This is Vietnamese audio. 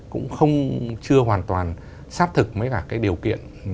cũng không chưa hoàn toàn sát thực mấy cả cái điều kiện